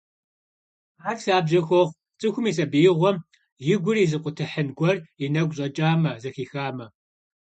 Абы лъабжьэ хуохъу цӀыхум и сабиигъуэм и гур изыкъутыхьын гуэр и нэгу щӀэкӀамэ, зэхихамэ.